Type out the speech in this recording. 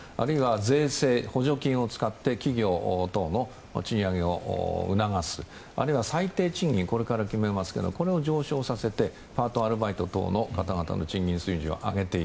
税制、補助金を使って促す、あるいは最低賃金これから決めますがこれを上昇させてパート、アルバイト等の方々の賃金水準を上げる。